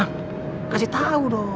ah kasih tau dong